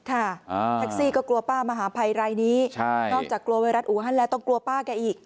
แท็กซี่ก็กลัวป้ามหาภัยรายนี้นอกจากกลัวไวรัสอูฮันแล้วต้องกลัวป้าแกอีก